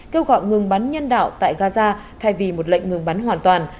kêu gọi ngừng bắn nhân đạo tại gaza thay vì một lệnh ngừng bắn hoàn toàn